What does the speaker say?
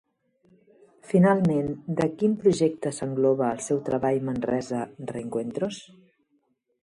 Finalment, dins de quin projecte s'engloba el seu treball Manresa Reencuentros?